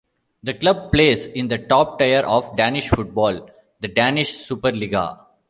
The club plays in the top tier of Danish football, the Danish Superliga.